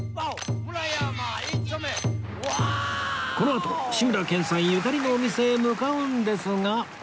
このあと志村けんさんゆかりのお店へ向かうんですが